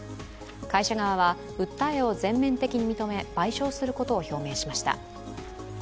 会社側は、訴えを全面的に認め、賠償することを表明しました。